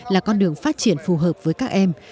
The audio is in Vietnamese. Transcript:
là con đường phát triển phù hợp với các em